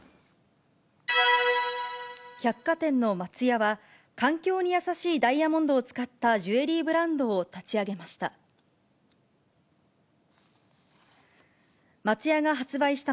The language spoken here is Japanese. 百貨店の松屋は、環境に優しいダイヤモンドを使ったジュエリーブランドを立ち上げました。